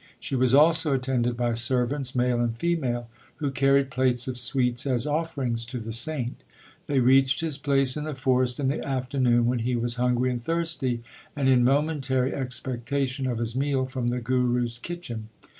She was also attended by servants male and female who carried plates of sweets as offerings to the saint. They reached his place in the forest in the afternoon when he was hungry and thirsty, and in momentary expectation of his meal from the Guru s kitchen.